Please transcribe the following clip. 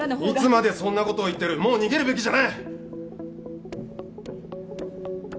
いつまでそんなことを言ってるもう逃げるべきじゃない！